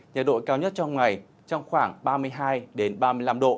nhiệt độ cao nhất trong ngày trong khoảng ba mươi hai ba mươi năm độ